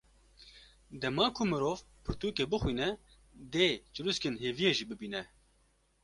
Dema ku mirov pirtûkê bixwîne, dê çirûskên hêviyê jî bibîne ….